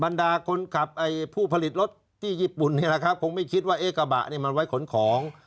ดาคนขับไอ้ผู้ผลิตรถที่ญี่ปุ่นนี่แหละครับคงไม่คิดว่ากระบะนี่มันไว้ขนของ